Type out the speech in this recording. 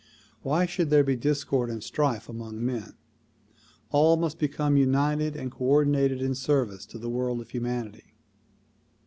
Why should there be discord and strife among men? All must become united and coordinated in service to the world of humanity.